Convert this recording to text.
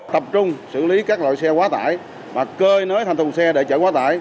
tập trung xử lý các loại xe quá tải mà cơi nới thành thùng xe để chở quá tải